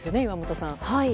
岩本さん。